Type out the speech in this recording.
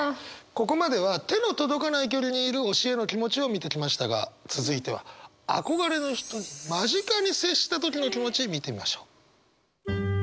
ここまでは手の届かない距離にいる推しへの気持ちを見てきましたが続いては憧れの人に間近に接した時の気持ち見てみましょう。